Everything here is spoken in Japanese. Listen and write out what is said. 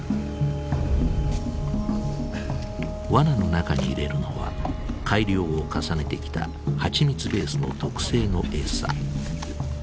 ワナの中に入れるのは改良を重ねてきた蜂蜜ベースの特製の餌。